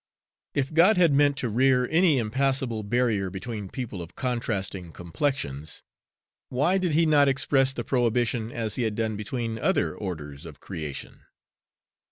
If God had meant to rear any impassable barrier between people of contrasting complexions, why did He not express the prohibition as He had done between other orders of creation?